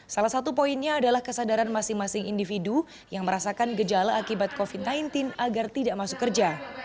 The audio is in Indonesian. salah satu poinnya adalah kesadaran masing masing individu yang merasakan gejala akibat covid sembilan belas agar tidak masuk kerja